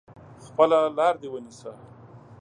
خپله لار دي ونیسه !